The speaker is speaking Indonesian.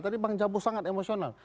tadi bang jabo sangat emosional